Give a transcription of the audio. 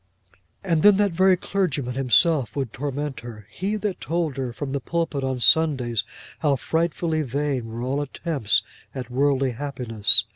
And then that very clergyman himself would torment her; he that told her from the pulpit on Sundays how frightfully vain were all attempts at worldly happiness.